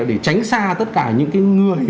để tránh xa tất cả những cái người